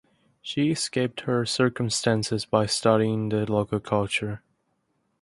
She escaped her circumstances by studying the local culture.